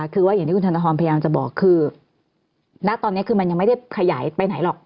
คือว่าอย่างที่คุณธนทรพยายามจะบอกคือณตอนนี้คือมันยังไม่ได้ขยายไปไหนหรอก